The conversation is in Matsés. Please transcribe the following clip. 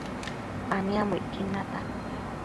aniambocquid nata